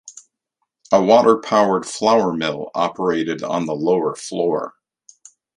A water-powered flour mill operated on the lower floor.